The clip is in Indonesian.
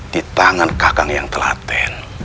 di tangan kakang yang telaten